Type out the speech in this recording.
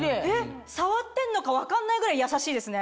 触ってんのか分かんないぐらいやさしいですね。